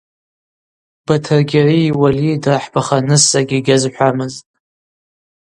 Батрыгьарии Уалии драхӏбахарныс закӏгьи гьазхӏвамызтӏ.